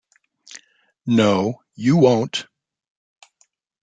No, you won't!